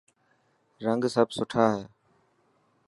رنگ سڀ سٺا هي.